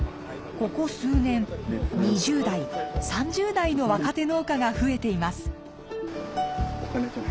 ここ数年２０代３０代の若手農家が増えています。